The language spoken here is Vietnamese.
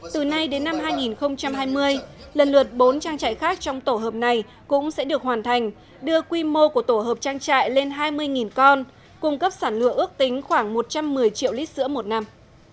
từ nay đến năm hai nghìn hai mươi lần lượt bốn trang trại khác trong tổ hợp này cũng sẽ được hoàn thành đưa quy mô của tổ hợp trang trại lên hai mươi con cung cấp sản lựa ước tính khoảng một trăm một mươi triệu lít sữa một năm